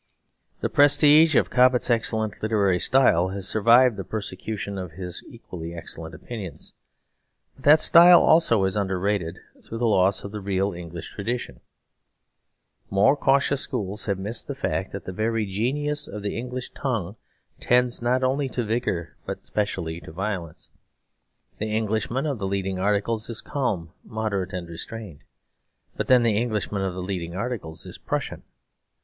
The prestige of Cobbett's excellent literary style has survived the persecution of his equally excellent opinions. But that style also is underrated through the loss of the real English tradition. More cautious schools have missed the fact that the very genius of the English tongue tends not only to vigour, but specially to violence. The Englishman of the leading articles is calm, moderate, and restrained; but then the Englishman of the leading articles is a Prussian.